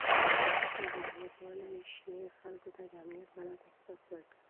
ازموینې کولی شي خلکو ته د امنیت غلط احساس ورکړي.